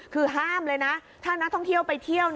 คือห้ามเลยนะถ้านักท่องเที่ยวไปเที่ยว